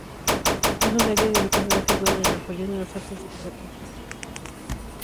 Es un área dedicada a la figura de Napoleón en las Artes Decorativas.